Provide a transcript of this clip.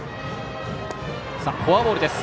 フォアボールです。